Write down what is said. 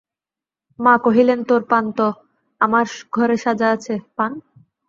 মা কহিলেন, তোর পান তো আমার ঘরে সাজা আছে।